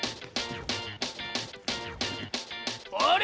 あれ？